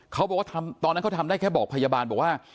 เขาบอกว่าตอนนั้นเขาทำได้แค่บอกพยาบาลบอกว่า